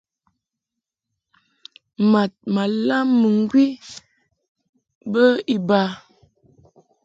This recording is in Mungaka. Mad ma lam mɨŋgwi bə iba.